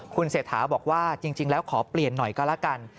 คุณเศรษฐาบอกว่าจริงแล้วขอเปลี่ยนหน่อยก็แล้วกัน